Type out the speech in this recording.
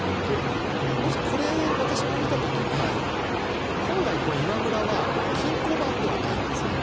まず、これ私も見た時に本来、今村は金庫番ではないんですね。